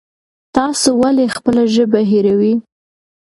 تاسو ولې خپله ژبه هېروئ؟